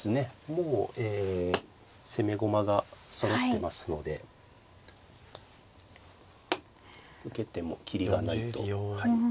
もう攻め駒がそろってますので受けても切りがないとはい。